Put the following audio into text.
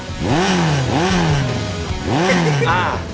อ่าอ่าอ่า